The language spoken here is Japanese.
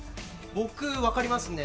僕、分かりますね。